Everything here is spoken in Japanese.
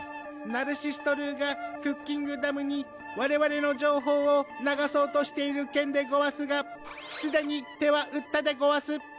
ナルシストルーがクッキングダムにわれわれの情報を流そうとしている件でごわすがすでに手は打ったでごわす